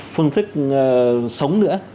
phương thức sống nữa